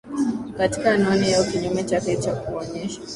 katika anwani yao Kinyume chake kwa kuonyesha